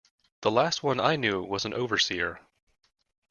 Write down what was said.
The last one I knew was an overseer.